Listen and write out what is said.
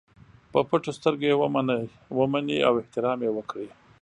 په پټو سترګو یې ومني او احترام یې وکړي.